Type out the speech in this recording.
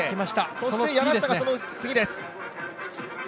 そして山下がその次です。